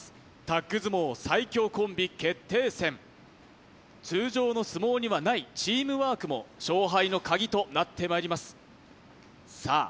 タッグ相撲最強コンビ決定戦通常の相撲にはないチームワークも勝敗の鍵となってまいりますさあ